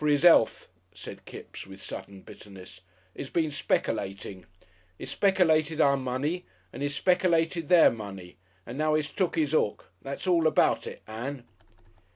"For 'is 'ealth," said Kipps, with sudden bitterness. "'E's been speckylating. He's speckylated our money and 'e's speckylated their money, and now 'e's took 'is 'ook. That's all about it, Ann."